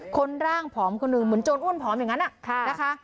คนร่างผอมคนหนึ่งเหมือนโจรอ้วนผอมอย่างนั้นนะคะ